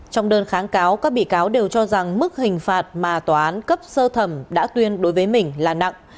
trong đơn kháng cáo các bị cáo đều cho rằng mức hình phạt mà tòa án cấp sơ thẩm đã tuyên đối với mình là nặng